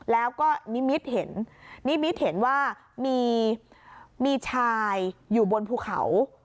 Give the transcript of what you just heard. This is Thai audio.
แล้วก็นิมิตเห็นนิมิตเห็นว่ามีชายอยู่บนภูเขา